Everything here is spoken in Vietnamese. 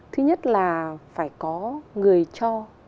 thứ nhất là phải có người cho